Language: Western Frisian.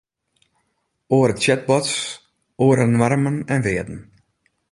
Oare chatbots, oare noarmen en wearden.